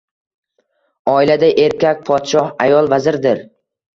Oilada erkak podshoh, ayol vazirdir.